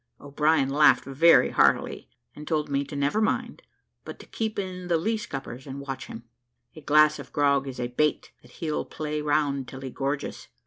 O'Brien laughed very heartily, and told me never to mind, but to keep in the lee scuppers and watch him. "A glass of grog is a bait that he'll play round till he gorges.